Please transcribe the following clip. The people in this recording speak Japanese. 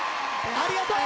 ありがとう！